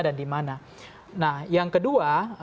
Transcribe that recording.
dan di mana nah yang kedua